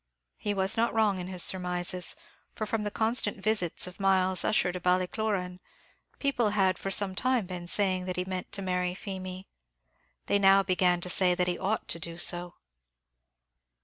He was not wrong in his surmises; for, from the constant visits of Myles Ussher to Ballycloran, people had for some time been saying that he meant to marry Feemy. They now began to say that he ought to do so.